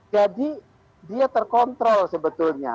jadi dia terkontrol sebetulnya